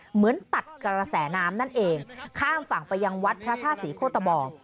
เหมือนตัดกระแสน้ำนั่นเองข้ามฝั่งไปยังวัดพระธาตุศรีโคตะบอง